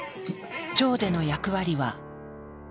腸での役割は。